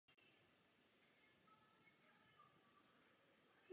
Poprvé text vyšel jako příloha v "Pražských novinách".